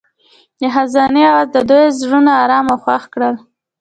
د خزان اواز د دوی زړونه ارامه او خوښ کړل.